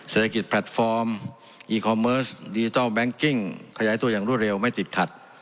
เศรษฐกิจแพลตฟอร์มดิจิทัลแบงก์กิ้งขยายตัวอย่างรวดเร็วไม่ติดขัด